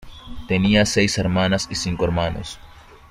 Tenía seis hermanas y cinco hermanos.